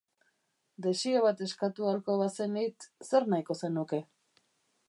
Desio bat eskatu ahalko bazenit, zer nahiko zenuke?